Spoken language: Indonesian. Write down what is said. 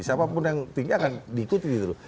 siapapun yang tinggi akan diikuti gitu loh